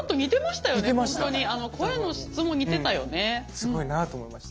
すごいなと思いました。